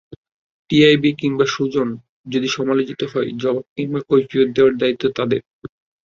TIB কিংবা সুজন যদি সমালোচিত হয়, জবাব কিংবা কৈফিয়ত দেওয়ার দায়িত্ব তাদের।